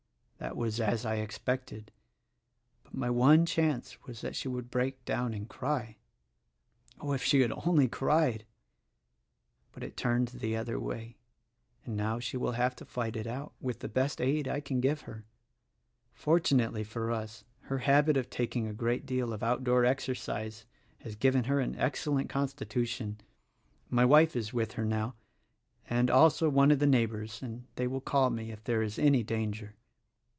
That was as I expected ; but my one chance was that she would break down and cry. Oh, if she had only cried! but it turned the other way; and now she will have to fight it out, with the best aid I can give her. Fortunately for us, her habit of taking a great deal of out of door exercise has given her an excellent constitu tion. My wife is with her now, and also one of the neigh bors, and they will call me if there is any danger.